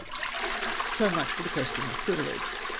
So much for the question of privilege.